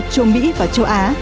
châu mỹ và châu á